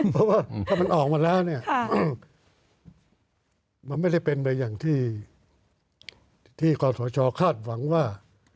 เพราะว่าถ้ามันออกมาแล้วเนี่ยมันไม่ได้เป็นไปอย่างที่ขอสชคาดหวังว่า